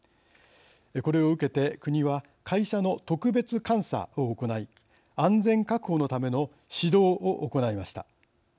これを受けて国は会社の特別監査を行い安全確保のための指導を行いました。